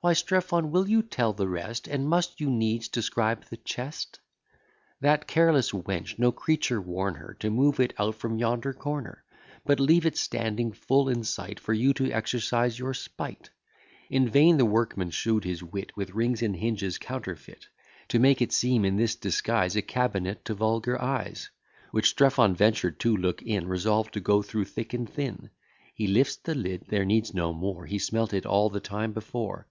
Why, Strephon, will you tell the rest? And must you needs describe the chest? That careless wench! no creature warn her To move it out from yonder corner! But leave it standing full in sight, For you to exercise your spight? In vain the workman shew'd his wit, With rings and hinges counterfeit, To make it seem in this disguise A cabinet to vulgar eyes: Which Strephon ventur'd to look in, Resolved to go thro' thick and thin. He lifts the lid: there needs no more, He smelt it all the time before.